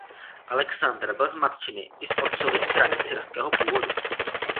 Alexander byl z matčiny i z otcovy strany syrského původu.